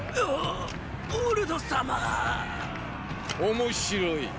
面白い！